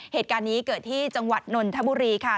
เหตุการณ์นี้เกิดที่จังหวัดนนทบุรีค่ะ